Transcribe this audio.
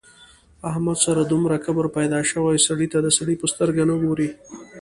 احمد سره دومره کبر پیدا شوی سړي ته د سړي په سترګه نه ګوري.